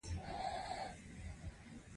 کله به چې بزګرانو بوټان او جامې غوښتلې.